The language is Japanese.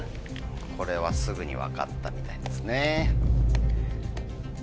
これはすぐに分かったみたいですね。